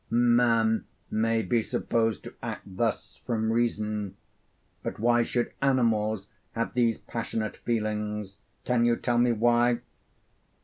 Man may be supposed to act thus from reason; but why should animals have these passionate feelings? Can you tell me why?'